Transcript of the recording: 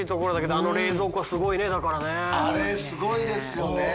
あれすごいですよね。